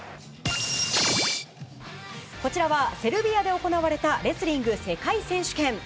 こちらはセルビアで行われたレスリング世界選手権。